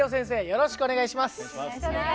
よろしくお願いします。